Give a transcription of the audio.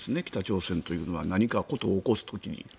北朝鮮というのは何か事を起こす時に。